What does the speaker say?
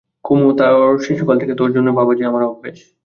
কুমু, তোর শিশুকাল থেকে তোর জন্যে ভাবা যে আমার অভ্যেস।